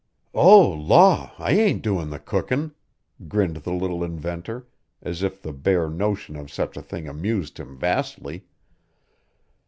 "Oh, law, I ain't doin' the cookin'!" grinned the little inventor, as if the bare notion of such a thing amused him vastly.